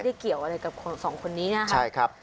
ไม่ได้เกี่ยวอะไรกับสองคนนี้นะครับ